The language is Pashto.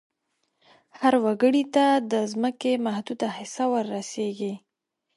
هر وګړي ته د ځمکې محدوده حصه ور رسیږي.